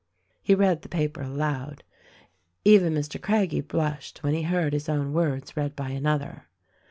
He read the paper aloud. Even Mr. Craggie blushed when he heard his own words read by another.